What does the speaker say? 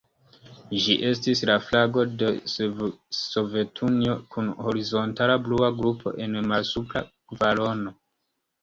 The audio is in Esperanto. Ĝi estis la flago de Sovetunio, kun horizontala blua grupo en la malsupra kvarono.